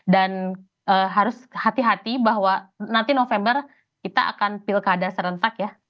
dan harus hati hati bahwa nanti november kita akan pilkada serentak ya